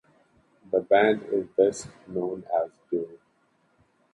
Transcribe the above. The band is best known as a duo.